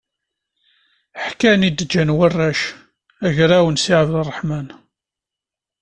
Ḥkan i d-ǧǧan warrac, agraw n Si Ɛebdrreḥman.